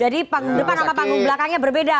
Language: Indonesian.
jadi depan sama panggung belakangnya berbeda